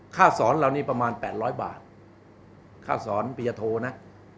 ค่าสอนเหล่านี้ประมาณ๘๐๐บาทค่าสอนปียโทนะ